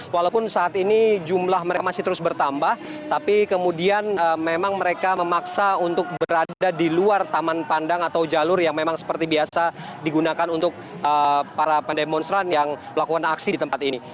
walaupun saat ini jumlah mereka masih terus bertambah tapi kemudian memang mereka memaksa untuk berada di luar taman pandang atau jalur yang memang seperti biasa digunakan untuk para pendemonstran yang melakukan aksi di tempat ini